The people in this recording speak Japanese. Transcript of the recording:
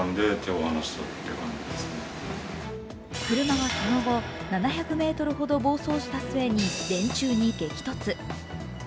車はその後７００ｍほど暴走した末に電柱に激突。